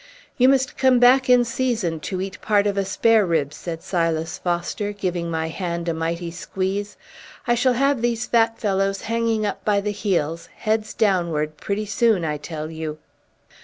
"You must come back in season to eat part of a spare rib," said Silas Foster, giving my hand a mighty squeeze. "I shall have these fat fellows hanging up by the heels, heads downward, pretty soon, I tell you!"